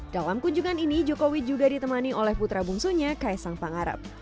dalam kunjungan ini jokowi juga ditemani oleh putra bungsunya kaisang pangarep